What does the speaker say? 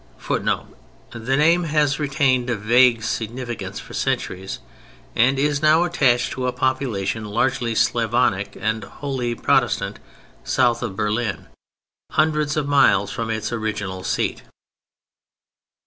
[Footnote: The name has retained a vague significance for centuries and is now attached to a population largely Slavonic and wholly Protestant, south of Berlin—hundred of miles from its original seat.